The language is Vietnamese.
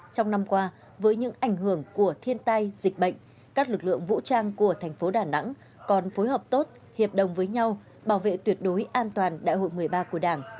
trong năm qua với những ảnh hưởng của thiên tai dịch bệnh các lực lượng vũ trang của thành phố đà nẵng còn phối hợp tốt hiệp đồng với nhau bảo vệ tuyệt đối an toàn đại hội một mươi ba của đảng